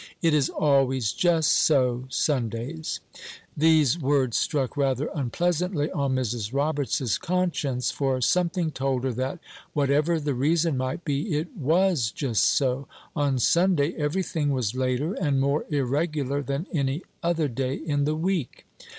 "It is always just so Sundays." These words struck rather unpleasantly on Mrs. Roberts's conscience, for something told her that, whatever the reason might be, it was just so. On Sunday every thing was later and more irregular than any other day in the week.